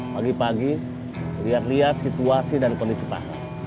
pagi pagi lihat lihat situasi dan kondisi pasar